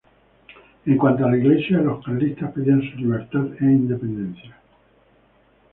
En cuanto a la Iglesia, los carlistas pedían su libertad e independencia.